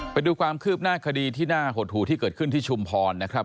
ไปดูความคืบหน้าคดีที่น่าหดหูที่เกิดขึ้นที่ชุมพรนะครับ